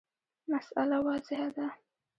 مسأله واضحه ده.